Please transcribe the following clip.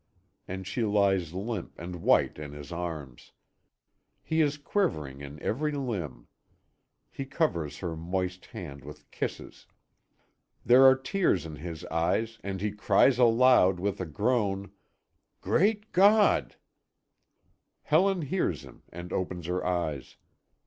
And she lies limp and white in his arms. He is quivering in every limb. He covers her moist hand with kisses. There are tears in his eyes, and he cries aloud with a groan: "Great God!" Helen hears him and opens her eyes.